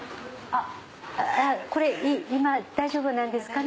これ今大丈夫なんですかね？